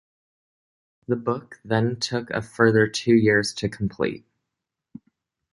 The book then took a further two years to complete.